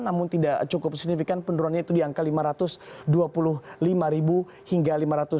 namun tidak cukup signifikan penurunannya itu di angka lima ratus dua puluh lima hingga lima ratus